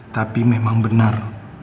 tapi memang benar